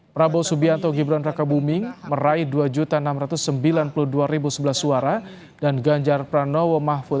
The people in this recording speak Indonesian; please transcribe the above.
prabowo subianto gibran raka weng raka meraih dua enam ratus sembilan puluh dua sebelas suara dan ganjar pranowo mahfud md satu dua belas